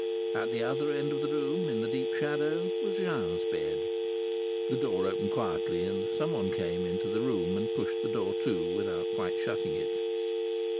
At the other end of the room, in the deep shadow, was Jean's bed. The door opened quietly and someone came into the room and pushed the door to without quite shutting it.